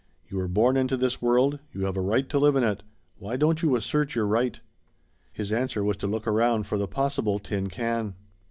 You were born into this world. You have a right to live in it. Why don't you assert your right?" His answer was to look around for the possible tin can.